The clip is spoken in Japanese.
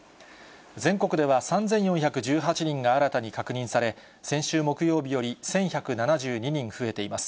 全国では３４１８人が新たに確認され、先週木曜日より１１７２人増えています。